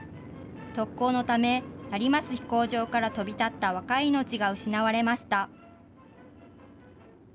特攻のため成増飛行場から飛び立った若い命が失われました。